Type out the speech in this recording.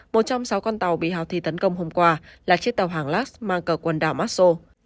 một trong sáu con tàu bị houthi tấn công hôm qua là chiếc tàu hàng las mang cờ quần đảo masso